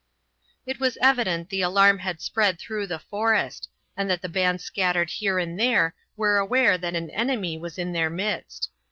It was evident the alarm had spread through the forest, and that the bands scattered here and there were aware that an enemy was in their midst.